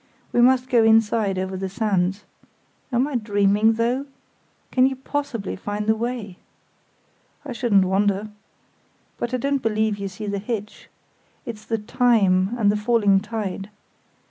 We must go inside over the sands. Am I dreaming, though? Can you possibly find the way?" "I shouldn't wonder. But I don't believe you see the hitch. It's the time and the falling tide.